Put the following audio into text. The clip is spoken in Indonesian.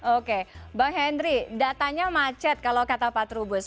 oke bang henry datanya macet kalau kata pak trubus